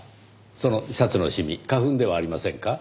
そのシャツの染み花粉ではありませんか？